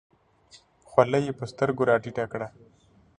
خولۍ یې په سترګو راټیټه کړه.